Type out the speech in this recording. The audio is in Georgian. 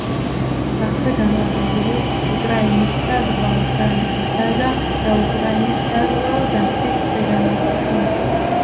აქვე განლაგებული უკრაინის საზღვაო ძალების ბაზა და უკრაინის საზღვაო დაცვის ქვედანაყოფი.